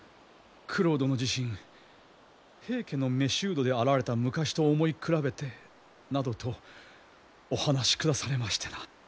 九郎殿自身平家の囚人であられた昔と思い比べてなどとお話しくだされましてな。